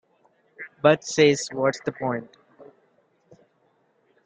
Bud says What's the point?